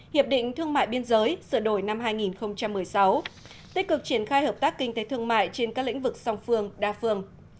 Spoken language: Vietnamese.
hiệp định thương mại biên giới sửa đổi năm hai nghìn một mươi sáu tích cực triển khai hợp tác kinh tế thương mại trên các lĩnh vực song phương đa phương